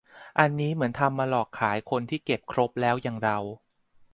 อันนี้เหมือนทำมาหลอกขายคนที่เก็บครบแล้วอย่างเรา